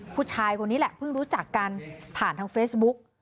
ผู้ชายคนนี้แหละเพิ่งรู้จักกันผ่านทางเฟซบุ๊ก